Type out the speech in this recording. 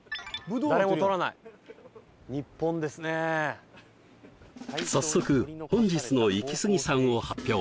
はい早速本日のイキスギさんを発表